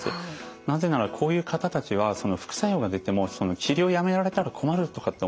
なぜならこういう方たちは副作用が出ても治療をやめられたら困るとかって思ってですね